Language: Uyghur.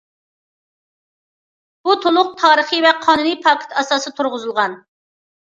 بۇ تولۇق تارىخى ۋە قانۇنىي پاكىت ئاساسىدا تۇرغۇزۇلغان.